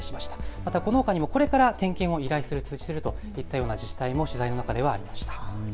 またこのほかにもこれから点検を依頼する、通知するといったような自治体も取材の中ではありました。